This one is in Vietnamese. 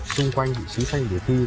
xung quanh tử thi